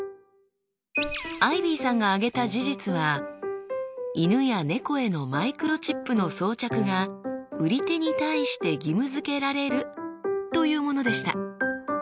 アイビーさんが挙げた事実は犬や猫へのマイクロチップの装着が売り手に対して義務付けられるというものでした。